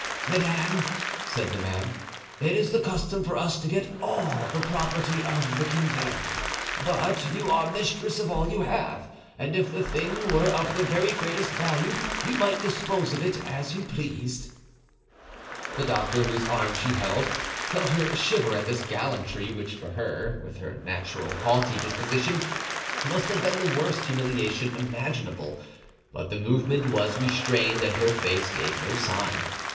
"Madame," said the man, "it is the custom for us to get all the property of the condemned; but you are mistress of all you have, and if the thing were of the very greatest value you might dispose of it as you pleased." The doctor, whose arm she held, felt her shiver at this gallantry, which for her, with her natural haughty disposition, must have been the worst humiliation imaginable; but the movement was restrained, and her face gave no sign.